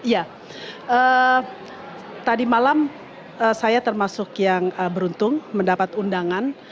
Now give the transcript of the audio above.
ya tadi malam saya termasuk yang beruntung mendapat undangan